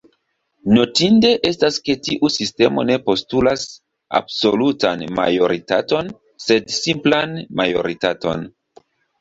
Notinde estas ke tiu sistemo ne postulas absolutan majoritaton sed simplan majoritaton.